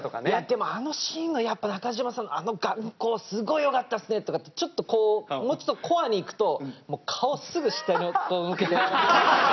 「でもあのシーンの中島さんのあの眼光すごいよかったっすね」とかってちょっとこうもうちょっとコアにいくと顔すぐ下にこう向けて。